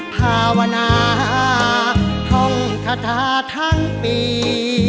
ภาวนาท่องคาถาทั้งปี